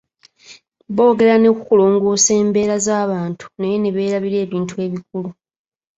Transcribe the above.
Boogera ne ku kulongoosa embeera z'abantu naye ne beerabira ebintu ebikulu.